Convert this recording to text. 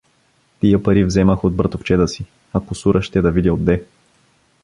Тия пари вземах от братовчеда си, а кусура ще да видя отде.